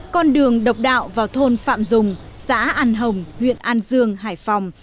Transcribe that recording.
con đường độc đạo vào thôn phạm dùng xã an hồng huyện an dương hải phòng